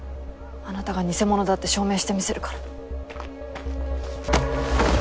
あなたが偽者だって証明してみせるから。